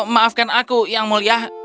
maafkan aku yang mulia